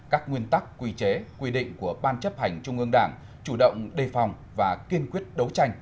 các nguyên tắc quy chế quy định của ban chấp hành trung ương đảng chủ động đề phòng và kiên quyết đấu tranh